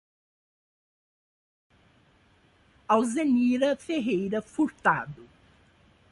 Alzenira Ferreira Furtado